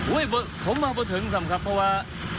เฮ้ยผมเอาไปถึงสำคัญครับเพราะว่า